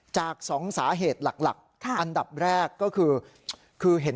จากสองสาเหตุหลักอันดับแรกก็คือ